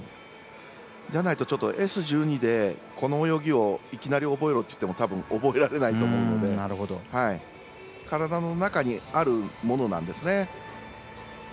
じゃないと、Ｓ１２でこの泳ぎをいきなり覚えろといってもたぶん、覚えられないと思うので体の中にあるものなんですね。